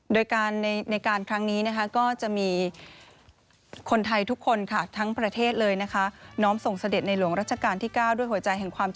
โดยการในการครั้งนี้นะคะก็จะมีคนไทยทุกคนค่ะทั้งประเทศเลยนะคะ